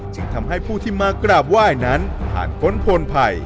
จึงทำให้ผู้ที่มากราบไหว้นั้นผ่านพ้นโพนภัย